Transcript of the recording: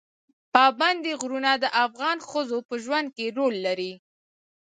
پابندی غرونه د افغان ښځو په ژوند کې رول لري.